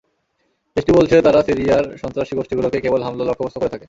দেশটি বলছে, তারা সিরিয়ার সন্ত্রাসী গোষ্ঠীগুলোকেই কেবল হামলার লক্ষ্যবস্তু করে থাকে।